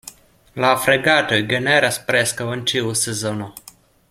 La fregatoj generas preskaŭ en ĉiu sezono.